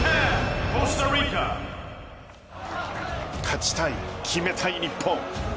勝たい決めたい日本。